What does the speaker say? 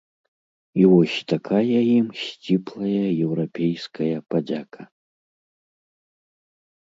І вось такая ім сціплая еўрапейская падзяка.